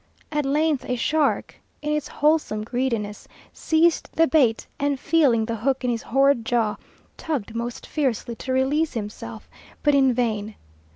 At length a shark, in its wholesale greediness, seized the bait, and feeling the hook in his horrid jaw, tugged most fiercely to release himself, but in vain.